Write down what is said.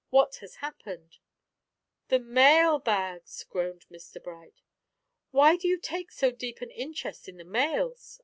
What has happened?" "The mail bags!" groaned Mr Bright. "Why do you take so deep an interest in the mails?"